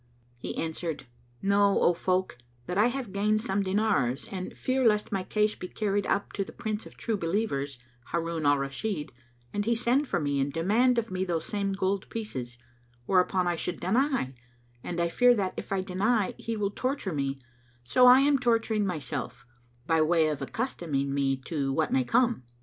He answered, "Know, O folk, that I have gained some dinars and fear lest my case be carried up to the Prince of True Believers, Harun al Rashid, and he send for me and demand of me those same gold pieces; whereupon I should deny, and I fear that, if I deny, he will torture me, so I am torturing myself, by way of accustoming me to what may come."